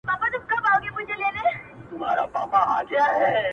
مازیګر چي وي په ښکلی او ګودر په رنګینیږي!!